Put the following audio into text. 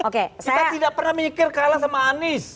kita tidak pernah mikir kalah sama anies